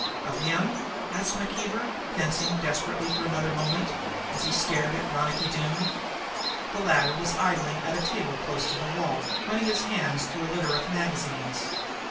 "Of him?" asked McKeever, fencing desperately for another moment, as he stared at Ronicky Doone. The latter was idling at a table close to the wall, running his hands through a litter of magazines.